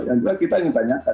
yang kita ingin tanyakan